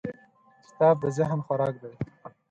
کتاب د ذهن خوراک دی.